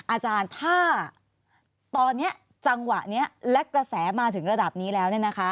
อาจารย์ถ้าตอนนี้จังหวะนี้และกระแสมาถึงระดับนี้แล้ว